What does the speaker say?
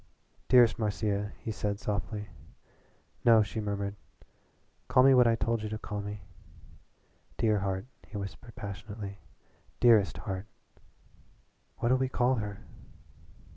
"Dearest Marcia," he said softly. "No," she murmured, "call me what I told you to call me." "Dear heart," he whispered passionately "dearest heart." "What'll we call her?"